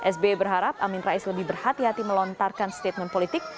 sbi berharap amin rais lebih berhati hati melontarkan statement politik